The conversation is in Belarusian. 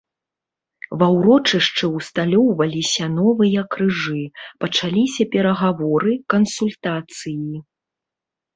Ва ўрочышчы ўсталёўваліся новыя крыжы, пачаліся перагаворы, кансультацыі.